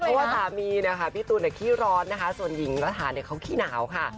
เพราะว่าสามีพี่ตูนคี่ร้อนส่วนหญิงรัฐฐานเขาคี่หนาวค่ะ